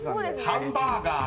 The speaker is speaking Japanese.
ハンバーガー。